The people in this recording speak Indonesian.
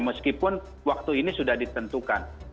meskipun waktu ini sudah ditentukan